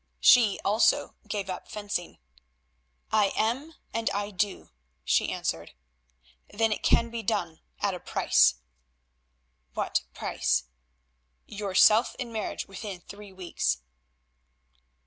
She also gave up fencing. "I am and I do," she answered. "Then it can be done—at a price." "What price?" "Yourself in marriage within three weeks."